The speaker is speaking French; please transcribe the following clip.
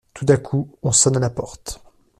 Tout à coup on sonne à la porte.